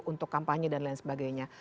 untuk kampanye dan lain sebagainya